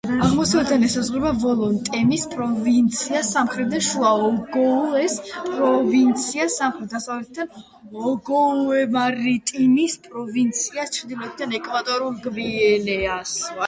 აღმოსავლეთიდან ესაზღვრება ვოლო-ნტემის პროვინციას, სამხრეთიდან შუა ოგოუეს პროვინციას, სამხრეთ-დასავლეთიდან ოგოუე-მარიტიმის პროვინციას, ჩრდილოეთიდან ეკვატორულ გვინეას.